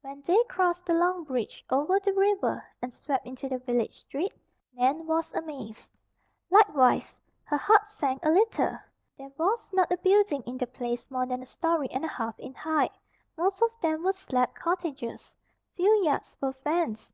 When they crossed the long bridge over the river and swept into the village street, Nan was amazed. Likewise, her heart sank a little. There was not a building in the place more than a story and a half in height. Most of them were slab cottages. Few yards were fenced.